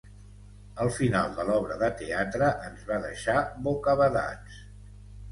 El final de l'obra de teatre ens va deixar bocabadats